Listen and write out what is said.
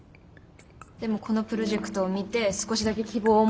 でもこのプロジェクトを見て少しだけ希望を。